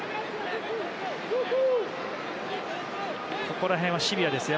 この辺はシビアですね。